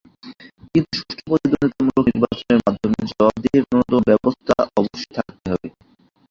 কিন্তু, সুষ্ঠু প্রতিদ্বন্দ্বিতামূলক নির্বাচনের মাধ্যমে জবাবদিহির ন্যূনতম ব্যবস্থা অবশ্যই থাকতে হবে।